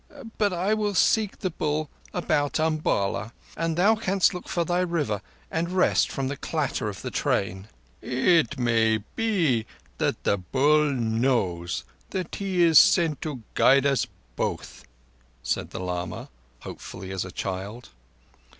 But I will seek the Bull about Umballa, and thou canst look for thy River and rest from the clatter of the train." "It may be that the Bull knows—that he is sent to guide us both." said the lama, hopefully as a child.